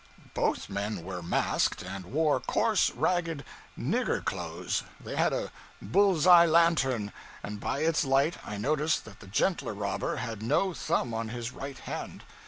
Both men were masked, and wore coarse, ragged 'nigger' clothes; they had a bull's eye lantern, and by its light I noticed that the gentler robber had no thumb on his right hand.